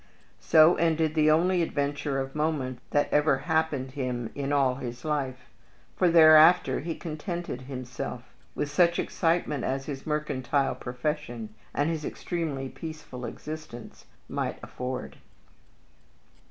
So ended the only adventure of moment that ever happened him in all his life. For thereafter he contented himself with such excitement as his mercantile profession and his extremely peaceful existence might afford.